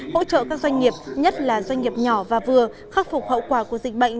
hỗ trợ các doanh nghiệp nhất là doanh nghiệp nhỏ và vừa khắc phục hậu quả của dịch bệnh